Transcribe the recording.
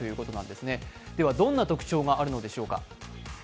では、どんな特徴があるのでしょうか。